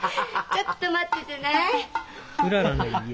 ちょっと待っててない。